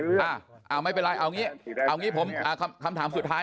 อ่าไม่เป็นไรเอางี้เอางี้ผมคำถามสุดท้าย